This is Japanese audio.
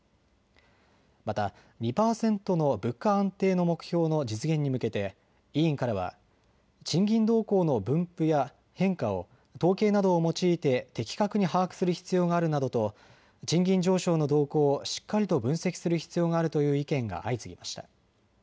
また２％の物価安定の目標の実現に向けて委員からは賃金動向の分布や変化を統計などを用いて的確に把握する必要があるなどと賃金上昇の動向をしっかりと分析する必要があるという意見が相次ぎました。